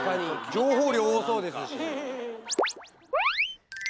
情報量多そうですし。